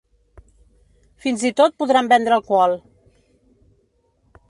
Fins i tot podran vendre alcohol.